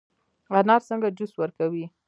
انار څنګه جوس ورکوي؟